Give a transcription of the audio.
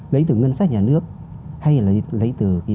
lấy từ ngân sách nhà nước hay là lấy từ